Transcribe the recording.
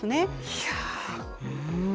いやうん。